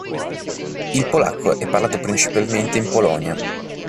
Il polacco è parlato principalmente in Polonia.